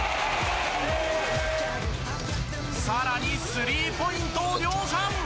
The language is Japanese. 更に、スリーポイントを量産。